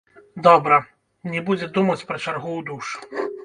Добра, не будзе думаць пра чаргу ў душ.